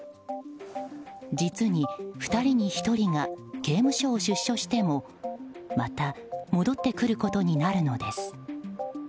実に２人に１人が刑務所を出所してもまた戻ってくることになるのです。